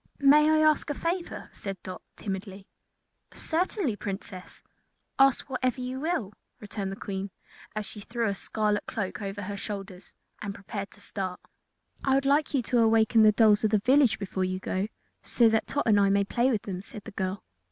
"May I ask a favor?" said Dot, timidly. "Certainly, Princess; ask whatever you will," returned the Queen, as she threw a scarlet cloak over her shoulders and prepared to start. "I would like you to waken the dolls of the village before you go, so that Tot and I may play with them," said the girl.